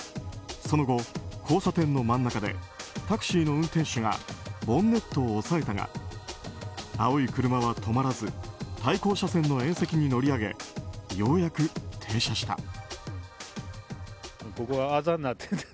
その後、交差点の真ん中でタクシーの運転手がボンネットを押さえたが青い車は止まらず対向車線の縁石に乗り上げようやく停車した。